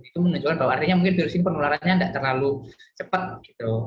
itu menunjukkan bahwa artinya mungkin virus ini penularannya tidak terlalu cepat gitu